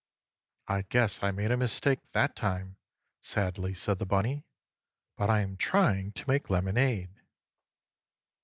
"I guess I made a mistake that time!" sadly said the bunny. "But I am trying to make lemonade."